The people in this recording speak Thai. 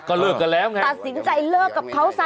ก็เลิกกันแล้วไงตัดสินใจเลิกกับเขาซะ